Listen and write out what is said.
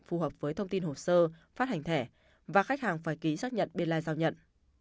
phù hợp với thông tin hồ sơ phát hành thẻ và khách hàng phải ký xác nhận biên lai giao nhận